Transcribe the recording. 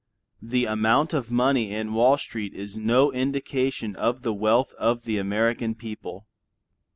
The amount of money in Wall Street is no indication of the wealth of the American people.